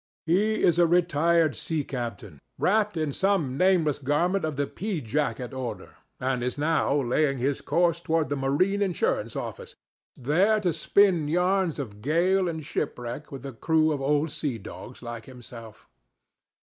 He is a retired sea captain wrapped in some nameless garment of the pea jacket order, and is now laying his course toward the marine insurance office, there to spin yarns of gale and shipwreck with a crew of old seadogs like himself.